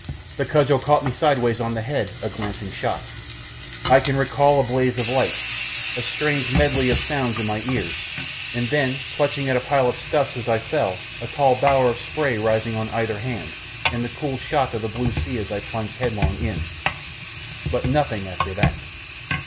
The cudgel caught me sideways on the head, a glancing shot. I can recall a blaze of light, a strange medley of sounds in my ears, and then, clutching at a pile of stuffs as I fell, a tall bower of spray rising on either hand, and the cool shock of the blue sea as I plunged headlong in but nothing after that!